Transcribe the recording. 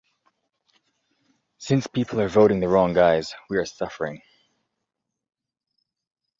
Since people are voting the wrong guys we are suffering.